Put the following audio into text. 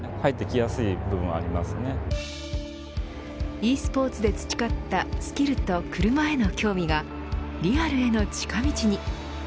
ｅスポーツで培ったスキルと車への興味がリアルへの近道に。